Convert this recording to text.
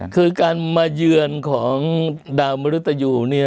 คือการมาเยือนของดาวมรุตยู